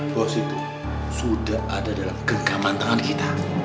bos itu sudah ada dalam genggaman tangan kita